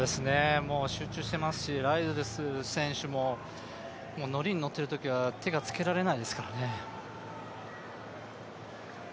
集中していますし、ライルズ選手ももう乗りに乗っているときは手がつけられないですからね。